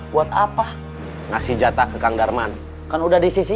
budnya itu congratulations dua ratus tujuh puluh dua